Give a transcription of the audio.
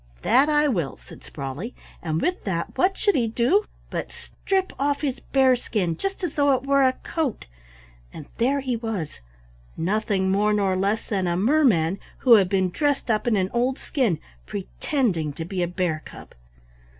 "That I will," said Sprawley, and with that what should he do but strip off his bear skin just as though it were a coat, and there he was, nothing more nor less than a merman who had been dressed up in an old skin, pretending to be a bear cub.